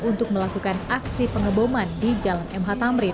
untuk melakukan aksi pengeboman di jalan mh tamrin